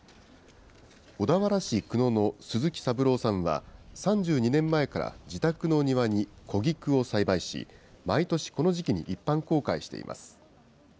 小田原市久野の鈴木三郎さんは、３２年前から自宅の庭に小菊を栽培し、毎年、この時期に一般公開しています。